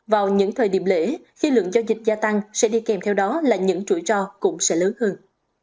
vào những thời điểm lễ khi lượng giao dịch gia tăng sẽ đi kèm theo đó là những chuỗi trò cũng sẽ lớn hơn